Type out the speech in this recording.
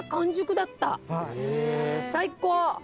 最高！